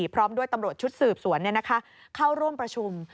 พร้อมด้วยตำรวจชุดสืบสวนเข้าร่วมประชุม